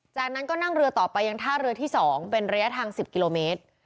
จากนั้นก็นั่งเรือต่อไปยังท่าเรือที่๒เป็นระยะทาง๑๐กิโลเมตร